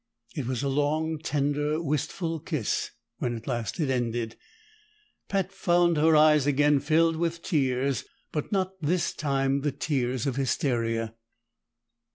It was a long, tender, wistful kiss; when at last it ended, Pat found her eyes again filled with tears, but not this time the tears of hysteria.